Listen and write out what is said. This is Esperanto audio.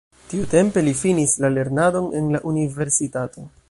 Tiutempe li finis la lernadon en la universitato.